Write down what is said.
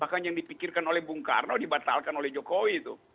bahkan yang dipikirkan oleh bung karno dibatalkan oleh jokowi itu